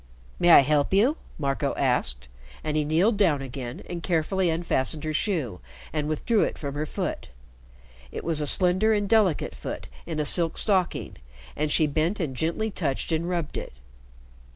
"May I help you?" Marco asked, and he kneeled down again and carefully unfastened her shoe and withdrew it from her foot. It was a slender and delicate foot in a silk stocking, and she bent and gently touched and rubbed it.